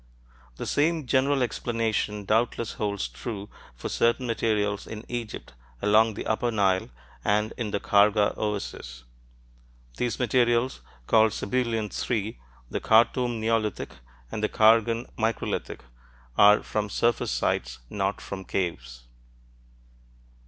The same general explanation doubtless holds true for certain materials in Egypt, along the upper Nile and in the Kharga oasis: these materials, called Sebilian III, the Khartoum "neolithic," and the Khargan microlithic, are from surface sites, not from caves.